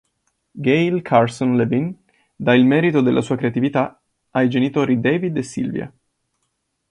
Gail Carson Levine dà il merito della sua creatività ai genitori David e Sylvia.